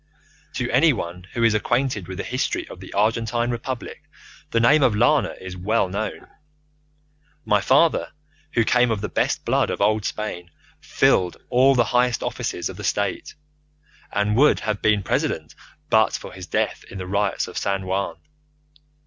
"To anyone who is acquainted with the history of the Argentine Republic the name of Lana is well known. My father, who came of the best blood of old Spain, filled all the highest offices of the State, and would have been President but for his death in the riots of San Juan.